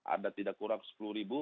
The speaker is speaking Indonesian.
ada tidak kurang sepuluh ribu